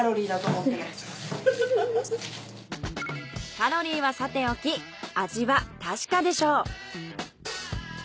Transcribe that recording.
カロリーはさておき味は確かでしょう。